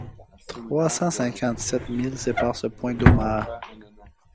Trois cent cinquante-sept milles séparent ce point d’Omaha.